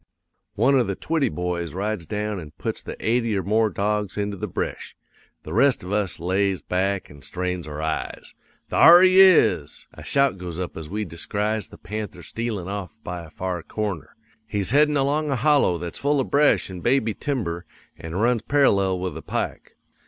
"'One of the Twitty boys rides down an' puts the eighty or more dogs into the bresh. The rest of us lays back an' strains our eyes. Thar he is! A shout goes up as we descries the panther stealin' off by a far corner. He's headin' along a hollow that's full of bresh an' baby timber an' runs parallel with the pike.